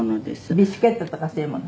ビスケットとかそういうもの？